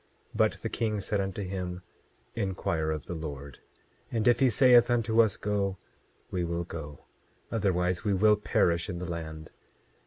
27:10 But the king said unto him: Inquire of the Lord, and if he saith unto us go, we will go; otherwise we will perish in the land.